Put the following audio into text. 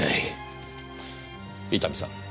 伊丹さん